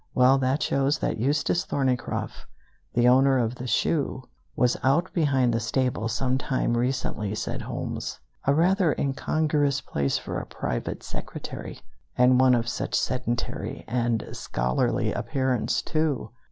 "Well, that shows that Eustace Thorneycroft, the owner of the shoe, was out behind the stable some time recently," said Holmes; "a rather incongruous place for a private secretary, and one of such sedentary and scholarly appearance too.